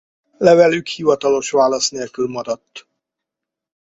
Levelük hivatalos válasz nélkül maradt.